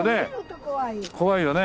怖いよね。